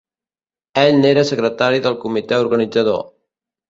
Ell n'era Secretari del comitè organitzador.